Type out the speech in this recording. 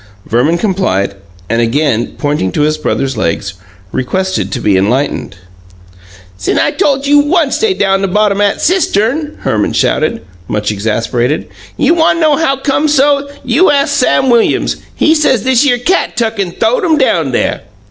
Verman complied, and again pointing to his brother's legs, requested to be enlightened. "Sin' I tole you once they down bottom 'at cistern," Herman shouted, much exasperated. "You wan' know how come so, you ast Sam Williams. He say thishere cat tuck an' th'owed 'em down there!"